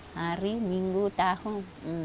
hari minggu tahun